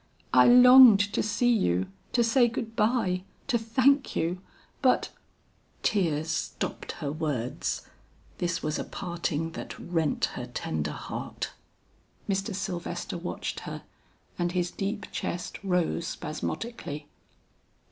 I longed to see you, to say good bye, to thank you, but " tears stopped her words; this was a parting that rent her leader heart. Mr. Sylvester watched her and his deep chest rose spasmodically.